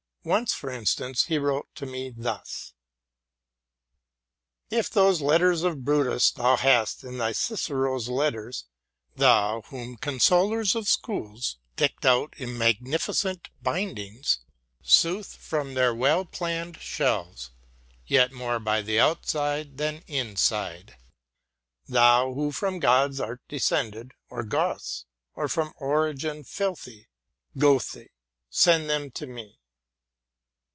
Once, for instance, he wrote to me thus :— "Tf those letters of Brutus thou hast in thy Cicero's letters, Thou, whom consolers of schools, decked out in magnificent bindings, Soothe from their well planned shelves, — yet more by the outside than inside, — Thou, who from gods art descended, or Goths, or from origin filthy, Gathe, send them to me.